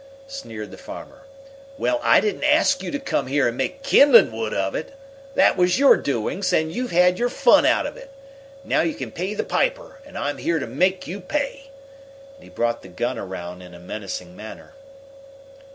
sneered the farmer. "Well, I didn't ask you to come here and make kindling wood of it! That was your doings, and you've had your fun out of it. Now you can pay the piper, and I'm here to make you pay!" And he brought the gun around in a menacing manner.